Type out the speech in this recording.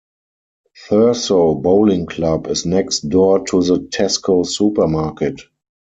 Thurso Bowling Club is next door to the Tesco supermarket.